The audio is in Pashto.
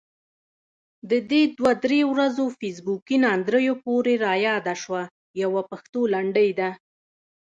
د دې دوه درې ورځو فیسبوکي ناندريو پورې رایاده شوه، يوه پښتو لنډۍ ده: